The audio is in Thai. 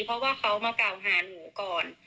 เพราะว่าเขามากล่าวหาหนูก่อน